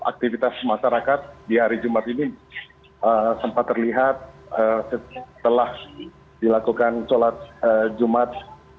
aktivitas masyarakat di hari jumat ini sempat terlihat setelah dilakukan sholat jumat